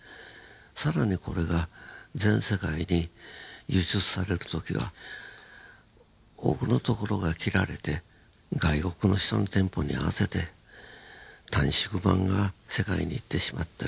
更にこれが全世界に輸出される時は多くの所が切られて外国の人のテンポに合わせて短縮版が世界に行ってしまってる。